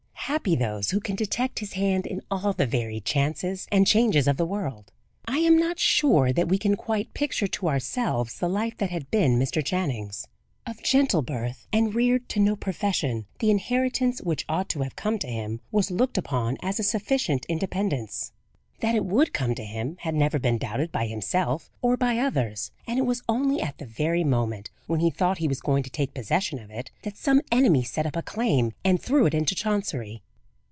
Happy those, who can detect His hand in all the varied chances and changes of the world. I am not sure that we can quite picture to ourselves the life that had been Mr. Channing's. Of gentle birth, and reared to no profession, the inheritance which ought to have come to him was looked upon as a sufficient independence. That it would come to him, had never been doubted by himself or by others; and it was only at the very moment when he thought he was going to take possession of it, that some enemy set up a claim and threw it into Chancery.